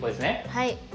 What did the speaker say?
はい。